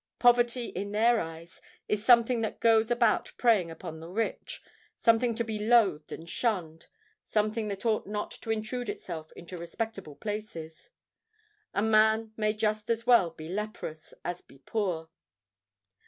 Poverty, in their eyes, is something that goes about preying upon the rich—something to be loathed and shunned—something that ought not to intrude itself into respectable places. A man may just as well be leprous, as be poor!